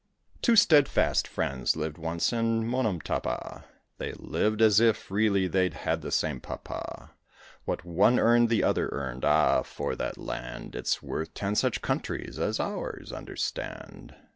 Two steadfast Friends lived once in Monomtàpa; They loved as if really they'd had the same pàpa: What one earned the other earned. Ah! for that land; It's worth ten such countries as ours, understand.